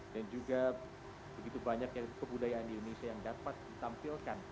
juga begitu banyak kebudayaan di indonesia yang dapat ditampilkan